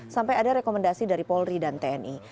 sampai ada rekomendasi dari polri dan tni